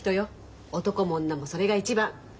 男も女もそれが一番！